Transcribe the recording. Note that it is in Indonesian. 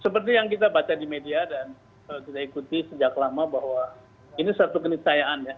seperti yang kita baca di media dan kita ikuti sejak lama bahwa ini satu kenisayaan ya